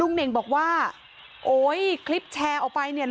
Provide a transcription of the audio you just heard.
เน่งบอกว่าโอ๊ยคลิปแชร์ออกไปเนี่ย